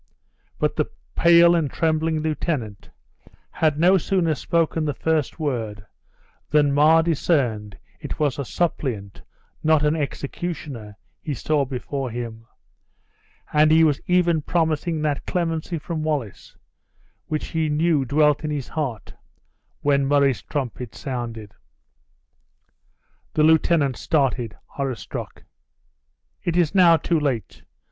But the pale and trembling lieutenant had no sooner spoken the first word than Mar discerned it was a suppliant, not an executioner, he saw before him, and he was even promising that clemency from Wallace, which he knew dwelt in his heart, when Murray's trumpet sounded. The lieutenant started, horror struck. "It is now too late!